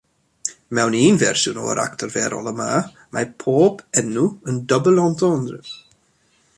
Mewn un fersiwn o'r act arferol yma, mae pob enw yn double-entendre.